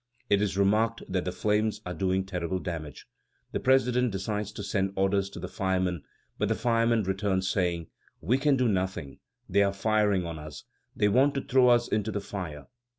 It is remarked that the flames are doing terrible damage. The president decides to send orders to the firemen. But the firemen return, saying: "We can do nothing. They are firing on us. They want to throw us into the fire."